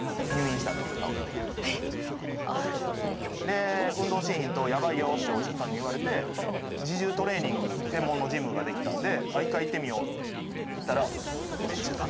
で「運動しいひんとヤバイよ」ってお医者さんに言われて自重トレーニング専門のジムができたんで１回行ってみようって行ったらめっちゃ楽しい。